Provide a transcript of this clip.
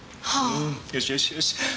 うんよしよしよし。